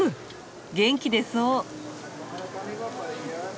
元気出そう！